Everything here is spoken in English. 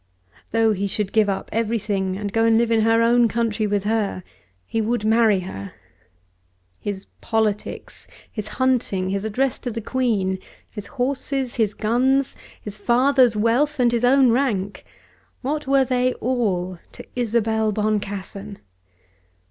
Though he should give up everything and go and live in her own country with her, he would marry her. His politics, his hunting, his address to the Queen, his horses, his guns, his father's wealth, and his own rank, what were they all to Isabel Boncassen?